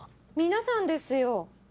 皆さんですよ。